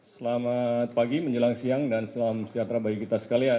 selamat pagi menjelang siang dan selamat siang terlebih kita sekalian